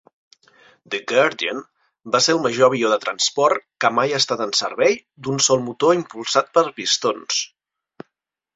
"The Guardian" va ser el major avió de transport, que mai ha estat en servei, d'un sol motor impulsat per pistons.